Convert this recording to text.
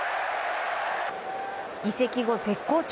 移籍後絶好調